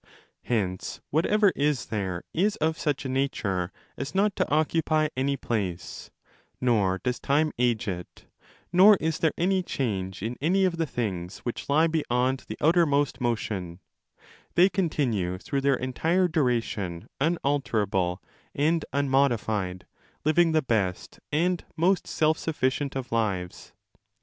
Hence whatever is there, is of such a nature as not to occupy any place, nor does time age it; nor is there any change in any of the things which lie beyond the outermost motion; they continue through their entire duration unalterable and unmodified, living the best and most self sufficient of lives.